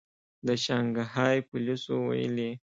د شانګهای پولیسو ویلي